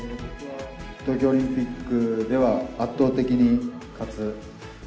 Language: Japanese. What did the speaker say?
東京オリンピックでは、圧倒的に勝つ。